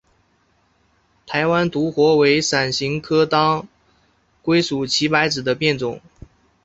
台湾独活为伞形科当归属祁白芷的变种。